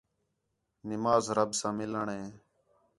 نماز رب ساں مِلّݨ ہِے